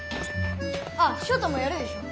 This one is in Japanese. あっショウタもやるでしょ。